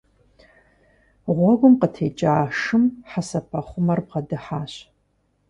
Гъуэгум къытекӀа шым хьэсэпэхъумэр бгъэдыхьащ.